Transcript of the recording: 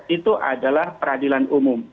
itu adalah peradilan umum